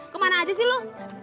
kemana aja sih lu